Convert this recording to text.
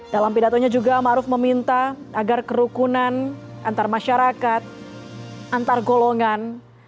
dalam pidatonya juga ma'ruf meminta agar kerukunan antar masyarakat antar golongan